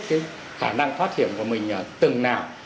cái khả năng thoát hiểm của mình từng nào